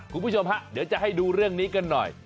คุณผู้ชมฮะเดี๋ยวจะให้ดูเรื่องนี้กันหน่อย